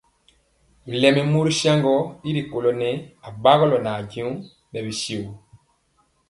Bilɛmi mori saŋgɔɔ gɔ y rikolɔ nɛɛ anabagɔlɔ nʼajeŋg rɛ bɛ shio tya.